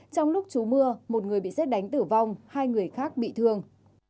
trong lúc trú mưa một người bị xét đánh tử vong hai người khác bị thương